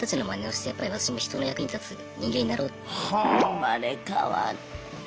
生まれ変わった。